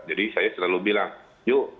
jadi saya selalu bilang yuk daripada kita halusin